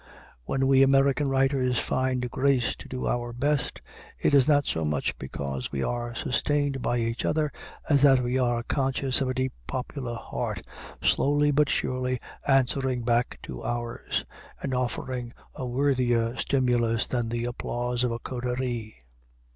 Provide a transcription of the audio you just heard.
When we American writers find grace to do our best, it is not so much because we are sustained by each other, as that we are conscious of a deep popular heart, slowly but surely answering back to ours, and offering a worthier stimulus than the applause of a coterie.